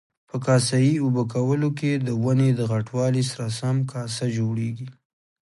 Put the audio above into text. په کاسه یي اوبه کولو کې د ونې د غټوالي سره سم کاسه جوړیږي.